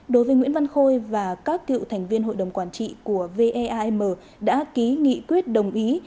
đối với nguyễn văn khôi và các cựu thành viên hội đồng quản trị của veam đã ký nghị quyết đồng ý